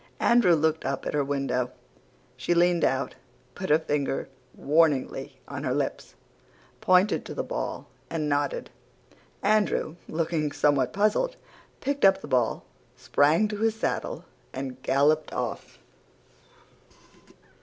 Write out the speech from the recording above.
Andrew looked up at her window. She leaned out, put her finger warningly on her lips, pointed to the ball, and nodded. Andrew, looking somewhat puzzled, picked up the ball, sprang to his saddle, and galloped off.